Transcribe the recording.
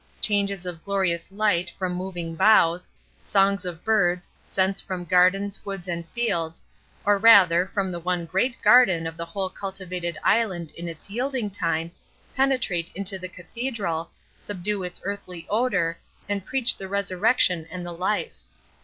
Changes of glorious light from moving boughs, songs of birds, scents from gardens, woods and fields, or rather, from the one great garden of the whole cultivated island in its yielding time, penetrate into the cathedral, subdue its earthly odor, and preach the Resurrection and the Life."